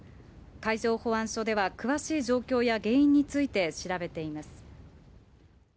海上保安署では詳しい状況や原因について調べています。